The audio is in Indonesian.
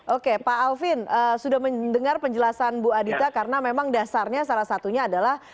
oke pak alvin sudah mendengar penjelasan bu adita karena memang dasarnya salah satunya adalah